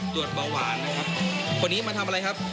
ตรวจเบาหวานนะครับคนนี้มาทำอะไรครับ